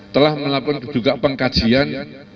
telah melakukan juga pengkajian